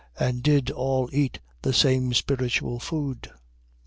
And did all eat the same spiritual food: 10:4.